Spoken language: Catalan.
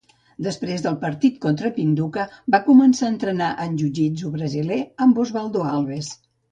Després del partit contra Pinduka, va començar a entrenar en jujitsu brasiler amb Osvaldo Alves.